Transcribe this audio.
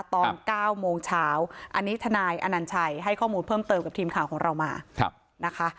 ตอน๙โมงเช้าอันนี้ทนายอนัญชัยให้ข้อมูลเพิ่มเติมกับทีมข่าวของเรามานะคะ